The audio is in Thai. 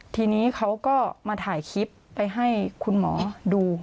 ทีนี้เขาก็มาถ่ายคลิปไปให้คุณหมอดู